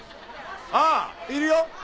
ああいるよ。